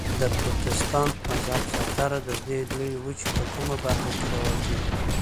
د پروتستانت مذهب زیاتره د دې لویې وچې په کومه برخه کې رواج لري؟